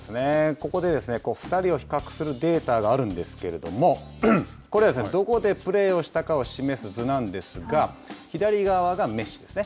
ここで２人を比較するデータがあるんですけれども、これはどこでプレーをしたかを示す図なんですが、左側がメッシですね。